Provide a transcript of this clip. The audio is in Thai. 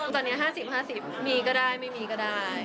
ตอนนี้๕๐๕๐มีก็ได้ไม่มีก็ได้